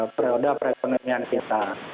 periode perekonomian kita